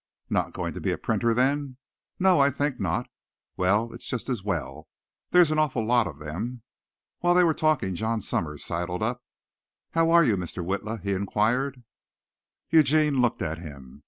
"Not going to be a printer, then?" "No, I think not." "Well, it's just as well, there're an awful lot of them." While they were talking John Summers sidled up. "How are you, Mr. Witla?" he inquired. Eugene looked at him.